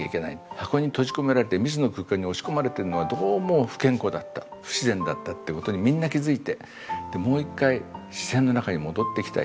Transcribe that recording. ハコに閉じ込められて密の空間に押し込まれてるのはどうも不健康だった不自然だったってことにみんな気付いてもう一回自然の中に戻っていきたい。